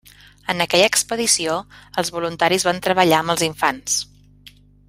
En aquella expedició, els voluntaris van treballar amb els infants.